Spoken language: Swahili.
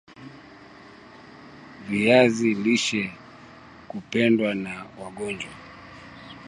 Viazi lishe hupendwa na wagonjwa